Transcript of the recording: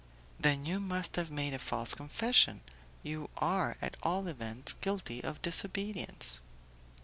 "Then you must have made a false confession: you are at all events guilty of disobedience?"